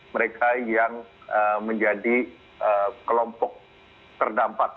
mereka yang menjadi kelompok terdampak